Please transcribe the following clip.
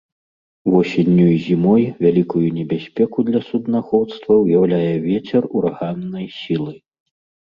Восенню і зімой вялікую небяспеку для суднаходства ўяўляе вецер ураганнай сілы.